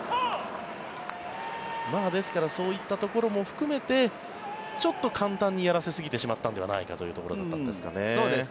ですからそういったところも含めてちょっと簡単にやらせすぎてしまったのではないかというところだったんですかね。